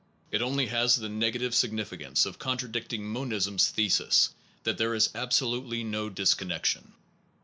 It only has the negative significance of contradicting mon ism s thesis that there is absolutely no discon nection.